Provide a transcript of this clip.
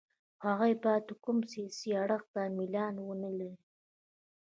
هغوی باید کوم سیاسي اړخ ته میلان ونه لري.